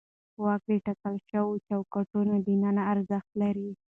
واک د ټاکل شوو چوکاټونو دننه ارزښت لري.